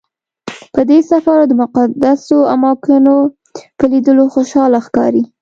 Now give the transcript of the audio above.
په دې سفر او د مقدسو اماکنو په لیدلو خوشحاله ښکاري.